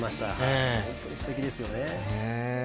本当にすてきですよね。